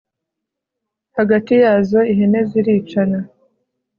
hagati yazo ihene ziricana